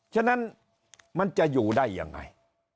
ฉะนั้นมันจะอยู่ได้ยังไง